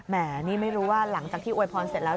นี่ไม่รู้ว่าหลังจากที่อวยพรเสร็จแล้ว